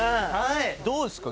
どうですか？